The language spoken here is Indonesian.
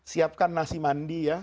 siapkan nasi mandi ya